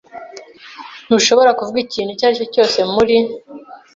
Ntushobora kuvuga ikintu icyo ari cyo cyose muri ?